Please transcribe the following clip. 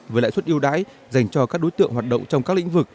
với lãi suất yêu đãi dành cho các đối tượng hoạt động trong các lĩnh vực